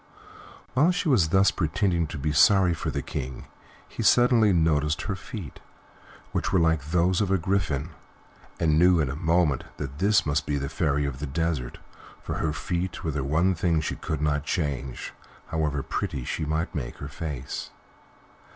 While she was thus pretending to be sorry for the King, he suddenly noticed her feet, which were like those of a griffin, and knew in a moment that this must be the Fairy of the Desert, for her feet were the one thing she could not change, however pretty she might make her face.